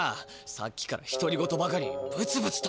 さっきからひとり言ばかりブツブツと。